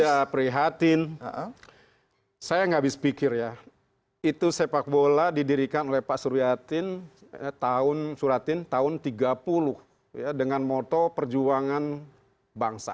yang ada perhatian saya ngga bisa pikir ya itu sepak bola didirikan oleh pak suriatin tahun tiga puluh ya dengan moto perjuangan bangsa